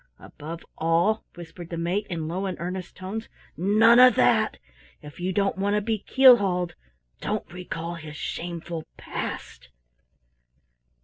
"Above all," whispered the mate in low and earnest tones, "none of that! If you don't want to be keel hauled, don't recall his shameful past!"